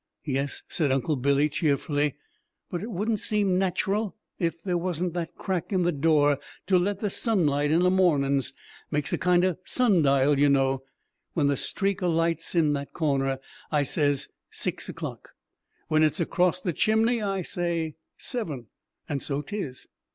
"Yes," said Uncle Billy cheerfully, "but it wouldn't seem nat'ral if there wasn't that crack in the door to let the sunlight in o' mornin's. Makes a kind o' sundial, you know. When the streak o' light's in that corner, I says 'six o'clock!' when it's across the chimney I say 'seven!' and so 'tis!"